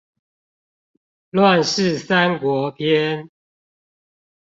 亂世三國篇